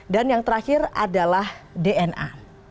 dan yang terakhir adalah dna